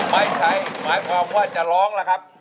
ไม่ใช้หมายความว่าจะร้องล่ะครับ